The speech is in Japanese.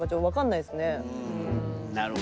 なるほど。